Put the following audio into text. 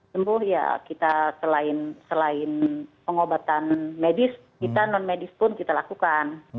sembuh ya kita selain pengobatan medis kita non medis pun kita lakukan